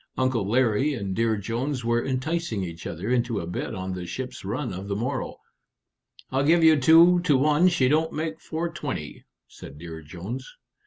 Uncle Larry and Dear Jones were enticing each other into a bet on the ship's run of the morrow. "I'll give you two to one she don't make 420," said Dear Jones.